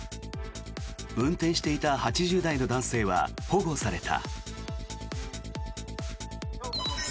運転していた８０代の男性は保護された。